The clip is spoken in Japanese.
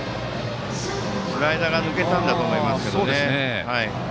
スライダーが抜けたんだと思います。